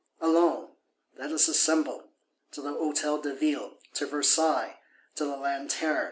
Allons! Let us assemble. To the Hôtel de Ville; to Versailles; to the Lanterne!